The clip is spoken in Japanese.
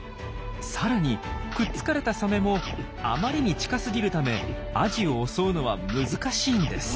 さらにくっつかれたサメもあまりに近すぎるためアジを襲うのは難しいんです。